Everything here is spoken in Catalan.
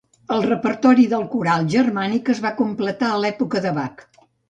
El repertori del coral germànic es va completar a l'època de Bach.